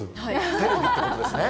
テレビってことですね。